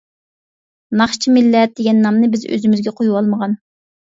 ناخشىچى مىللەت دېگەن نامنى بىز ئۆزىمىزگە قويۇۋالمىغان.